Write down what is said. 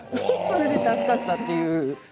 それで助かったという。